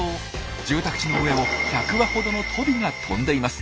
住宅地の上を１００羽ほどのトビが飛んでいます。